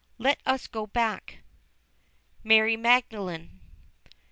Let us go back. MARY MAGDALENE.